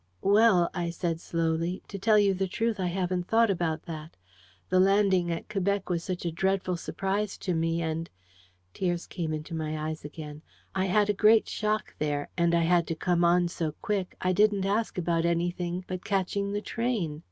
"Well," I said slowly, "to tell you the truth, I haven't thought about that. The landing at Quebec was such a dreadful surprise to me, and" tears came into my eyes again "I had a great shock there and I had to come on so quick, I didn't ask about anything but catching the train.